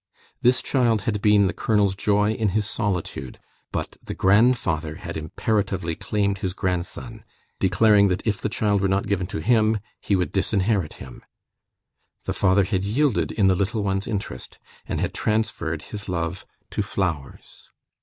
This child had been the colonel's joy in his solitude; but the grandfather had imperatively claimed his grandson, declaring that if the child were not given to him he would disinherit him. The father had yielded in the little one's interest, and had transferred his love to flowers.